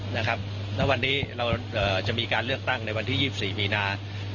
แล้ววันนี้เราจะมีการเลือกตั้งในวันที่๒๔มีนา